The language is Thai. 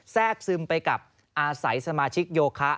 แทรกซึมไปกับอาศัยสมาชิกโยคะ